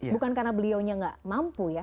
bukan karena beliaunya nggak mampu ya